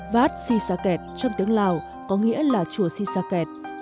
vát si sa kẹt trong tiếng lào có nghĩa là chùa si sa kẹt